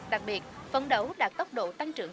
đặc biệt phấn đấu đạt tốc độ tăng trưởng